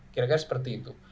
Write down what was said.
kira kira seperti itu